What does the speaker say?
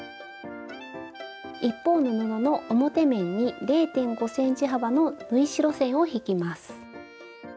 一方の布の表面に０．５ｃｍ幅の縫い代線を引きます。